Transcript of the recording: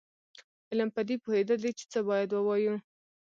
علم پدې پوهېدل دي چې څه باید ووایو.